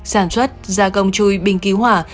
sản xuất gia công chui bình cứu hỏa